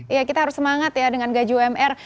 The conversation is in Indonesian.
ya kita harus semangat ya dengan gaji umr